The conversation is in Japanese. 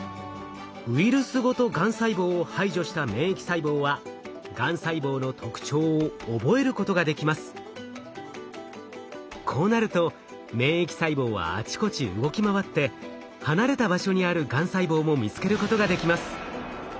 ウイルスごとがん細胞を排除したこうなると免疫細胞はあちこち動き回って離れた場所にあるがん細胞も見つけることができます。